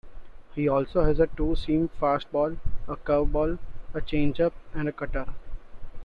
He also has a two-seam fastball, a curveball, a changeup, and a cutter.